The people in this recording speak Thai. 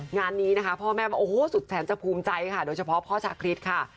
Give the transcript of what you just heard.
งานนี้นะคะพ่อแม่บอกโอ้โหสุดแสนจะภูมิใจค่ะโดยเฉพาะพ่อชาคริสค่ะ